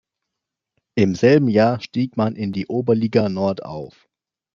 Im selben Jahr stieg man in die Oberliga Nord auf.